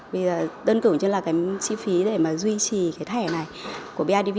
bây giờ đơn cử như là chi phí để duy trì thẻ này của bidv